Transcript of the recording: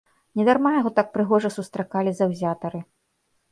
Не дарма яго так прыгожа сустракалі заўзятары.